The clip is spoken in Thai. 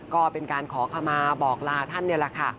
ก็เป็นการขอขมาบอกลาท่านนี่แหละค่ะ